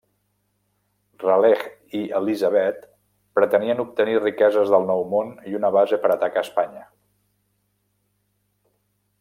Raleigh i Elizabeth pretenien obtenir riqueses del Nou Món i una base per atacar Espanya.